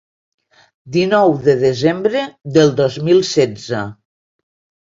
Dinou de desembre del dos mil setze.